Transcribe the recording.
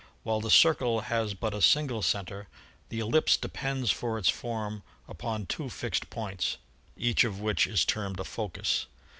While the circle has but a single cen ter, the ellipse depends for its form upon two fixed points, each of which is termed a focus.